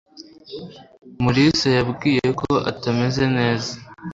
mulisa yambwiye ko atameze neza